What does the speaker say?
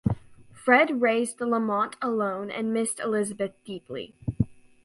Fred raised Lamont alone and missed Elizabeth deeply.